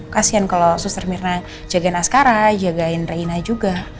kasian kalau suster mirna jagain askara jagain reina juga